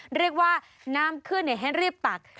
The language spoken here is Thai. เรียกว่าน้ำขึ้นให้รีบตัก